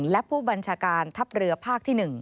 และผู้บัญชาการทัพเรือภาคที่๑